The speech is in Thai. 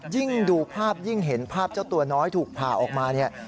ยิ่งดูภาพยิ่งเห็นภาพเจ้าตัวน้อยถูกผ่าออกมาเนี่ย